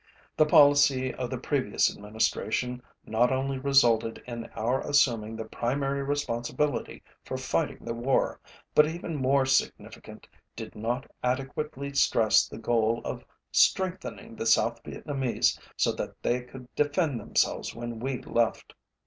The policy of the previous Administration not only resulted in our assuming the primary responsibility for fighting the war, but even more significant did not adequately stress the goal of strengthening the South Vietnamese so that they could defend themselves when we left.